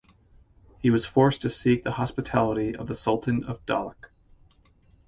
He was forced to seek the hospitality of the Sultan of Dahlak.